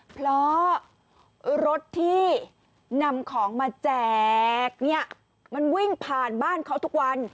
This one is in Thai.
เพราะรถที่นำของมาแจกเนี่ยมันวิ่งผ่านบ้านเขาทุกวัน